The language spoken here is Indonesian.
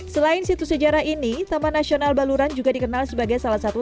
selain situs sejarah ini taman nasional baluran juga dikenal sebagai salah satu